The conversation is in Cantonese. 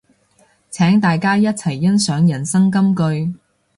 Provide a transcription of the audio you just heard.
請大家一齊欣賞人生金句